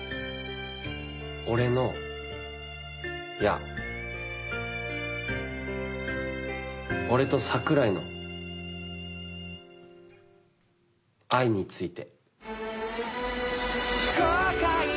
俺のいや俺と桜井の「愛」について。